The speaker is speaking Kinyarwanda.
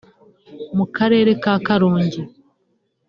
mu Karere ka Karongi